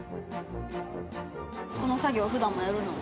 この作業はふだんもやるの？